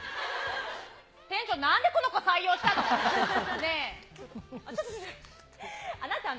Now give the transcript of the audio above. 店長、なんでこの子採用したの？